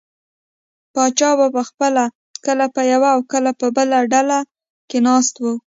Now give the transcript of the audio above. پاچا به پخپله کله په یوه او کله بله ډله کې ناست و.